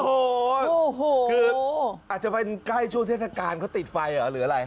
โอ้โหคืออาจจะเป็นใกล้ช่วงเทศกาลเขาติดไฟเหรอหรืออะไร